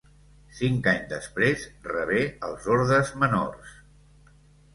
Cinc anys després rebé els ordes menors.